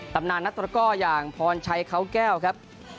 ตำนานนักตุรกอร์อย่างพรชัยเคราะคร์แก้วครับ